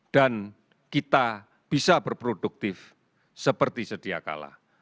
dan kita bisa berproduktif seperti sediakala